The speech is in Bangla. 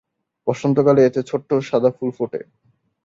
বসন্তকালে এতে ছোট্ট সাদা ফুল ফোটে।